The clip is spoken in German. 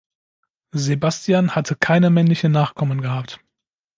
Sebastian hatte keine männlichen Nachkommen gehabt.